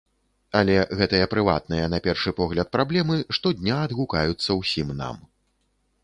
Але гэтыя, прыватныя на першы погляд, праблемы штодня адгукаюцца ўсім нам.